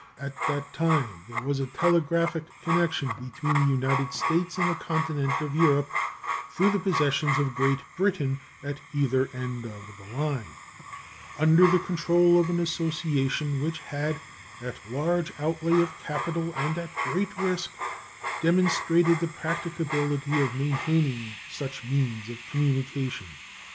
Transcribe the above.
At that time there was a telegraphic connection between the United States and the continent of Europe (through the possessions of Great Britain at either end of the line), under the control of an association which had, at large outlay of capital and at great risk, demonstrated the practicability of maintaining such means of communication.